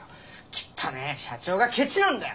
きっとね社長がケチなんだよ。